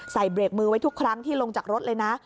เบรกมือไว้ทุกครั้งที่ลงจากรถเลยนะ